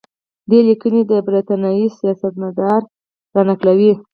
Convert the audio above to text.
دې لیکنې د برټانیې سیاستمدار را نقلوي.